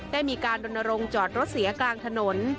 ได้มีการดนรงค์จอดรถเสียกลางถนน